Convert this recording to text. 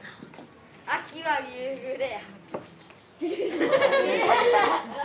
「秋は夕暮れ」。